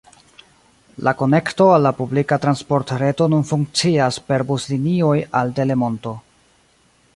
La konekto al la publika transportreto nun funkcias per buslinioj al Delemonto.